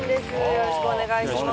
よろしくお願いします